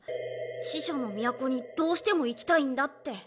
死者の都にどうしても行きたいんだって。